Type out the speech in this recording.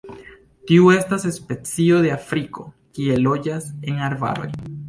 Tiu estas specio de Afriko kie loĝas en arbaroj.